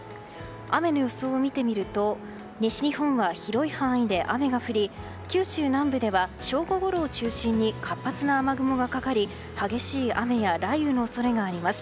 雨の予想を見てみると西日本は広い範囲で雨が降り九州南部では正午ごろを中心に活発な雨雲がかかり激しい雨や雷雨の恐れがあります。